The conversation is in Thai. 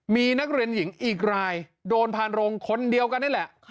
มีนักเรียนหญิงอีกรายโดนพานโรงคนเดียวกันนี่แหละ